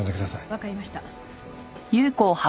わかりました。